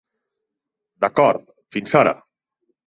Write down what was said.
D'acord, fins ara.